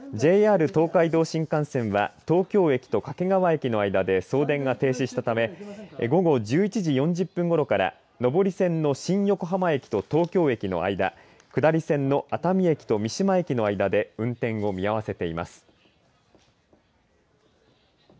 ＪＲ東海道新幹線は東京駅と掛川駅の間で送電が停止したため午後１１時４０分ごろから上り線の新横浜駅と東京駅の間下り線の熱海駅と三島駅の間で運転を見合わせています。